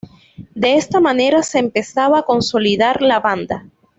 De esta manera se empezaba a consolidar la banda.